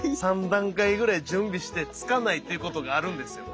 ３段階ぐらい準備してつかないっていうことがあるんですよ。